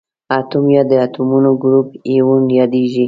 اتوم یا د اتومونو ګروپ ایون یادیږي.